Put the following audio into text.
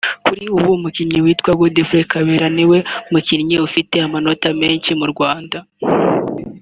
Kuri ubu umukinnyi witwa Godfrey Kabera niwe mukinnyi ufite amanota menshi mu Rwanda